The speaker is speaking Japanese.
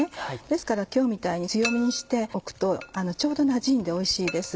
ですから今日みたいに強めにしておくとちょうどなじんでおいしいです。